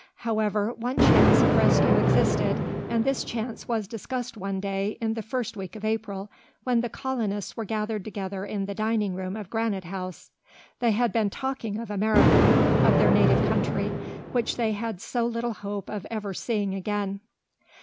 However, one chance of rescue existed, and this chance was discussed one day in the first week of April, when the colonists were gathered together in the dining room of Granite House. They had been talking of America, of their native country, which they had so little hope of ever seeing again.